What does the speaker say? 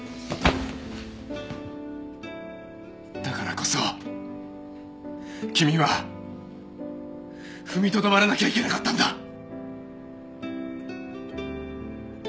だからこそ君は踏みとどまらなきゃいけなかったんだ。